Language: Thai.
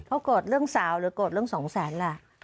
เพราะโกรธเรื่องสาวหรือโกรธเรื่องสองแสนล่ะ